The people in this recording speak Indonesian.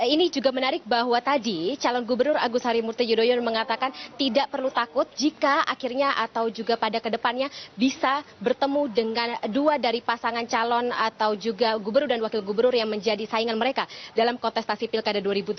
ini juga menarik bahwa tadi calon gubernur agus harimurti yudhoyono mengatakan tidak perlu takut jika akhirnya atau juga pada kedepannya bisa bertemu dengan dua dari pasangan calon atau juga gubernur dan wakil gubernur yang menjadi saingan mereka dalam kontestasi pilkada dua ribu tujuh belas